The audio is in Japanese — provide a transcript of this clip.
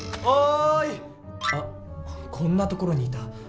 あっこんな所にいた。